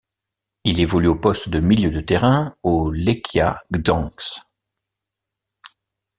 Il évolue au poste de milieu de terrain au Lechia Gdańsk.